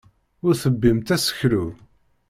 Ur tebbimt aseklu.